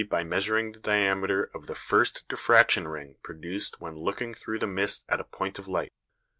by measuring the diameter of the first diffraction ring produced when looking through the mist at a point of light.